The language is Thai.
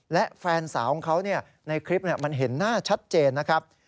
และแฟนสาวของเขาในคลิปมันเห็นหน้าชัดเจนนะครับ